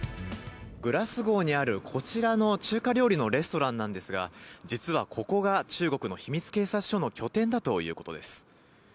グラスゴーにあるこちらの中華料理のレストランなんですが、実はここが、中国の秘密警察署の拠点だということです。